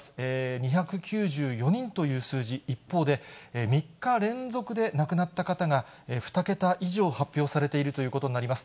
２９４人という数字、一方で、３日連続で亡くなった方が２桁以上発表されているということになります。